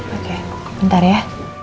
oke bentar ya